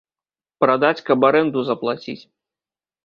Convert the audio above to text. Прадаць, каб арэнду заплаціць.